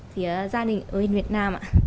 với gia đình ở việt nam